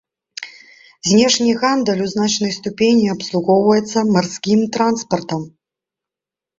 Знешні гандаль у значнай ступені абслугоўваецца марскім транспартам.